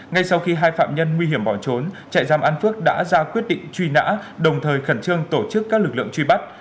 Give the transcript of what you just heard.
ngay sau khi hai phạm nhân nguy hiểm bỏ trốn trại giam an phước đã ra quyết định truy nã đồng thời khẩn trương tổ chức các lực lượng truy bắt